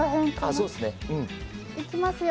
あそうですね。いきますよ。